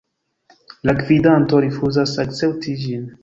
La gvidanto rifuzas akcepti ĝin.